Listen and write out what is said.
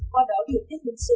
qua báo điều tiết lương sự